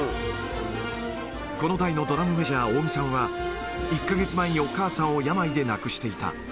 この代のドラムメジャー、扇さんは、１か月前にお母さんを病で亡くしていた。